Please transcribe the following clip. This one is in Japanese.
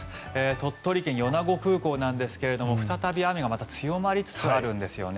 鳥取県・米子空港なんですけれど再び雨が強まりつつあるんですよね。